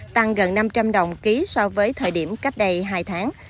tăng gần năm trăm linh đồng ký so với thời điểm cách đây hai tháng